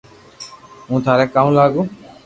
ھون ٿاري ڪاو لاگو